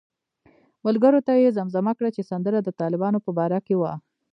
ملګرو ته یې زمزمه کړه چې سندره د طالبانو په باره کې وه.